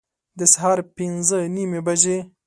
د سهار پنځه نیمي بجي